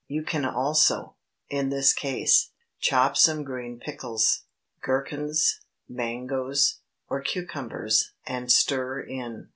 You can also, in this case, chop some green pickles, gherkins, mangoes, or cucumbers, and stir in.